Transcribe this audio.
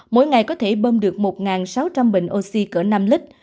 mỗi ngày có thể bơm được một sáu trăm linh bình oxy cỡ năm lít